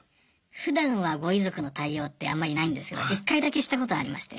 ふだんはご遺族の対応ってあんまりないんですが１回だけしたことありまして。